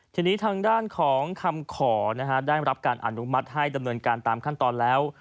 ทีนี้ทางด้านของคำขอได้รับการอนุมัติให้ดำเนินการตามขั้นตอนแล้ว